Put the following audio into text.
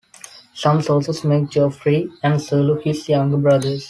Some sources make Geoffrey and Serlo his younger brothers.